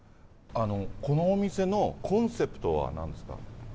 このお店のコンセプトはなんですか？